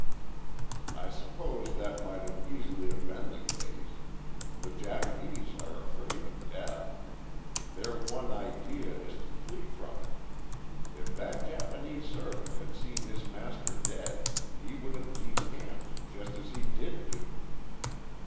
"I suppose that might have easily have been the case. The Japanese are afraid of death. Their one idea is to flee from it. If that Japanese servant had seen his master dead, he would have decamped, just as he did do."